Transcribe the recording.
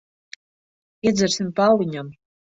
Iedzersim pa aliņam.